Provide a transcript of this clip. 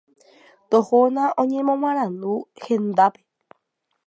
Tohóna oñemoarandu hendápe.